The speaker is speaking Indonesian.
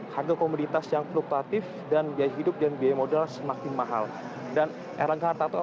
harga komoditas yang fluktuatif dan biaya hidup dan biaya modal semakin mahal